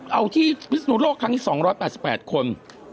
เอาที่พฤศนุโรคทั้งที่๒๘๘คน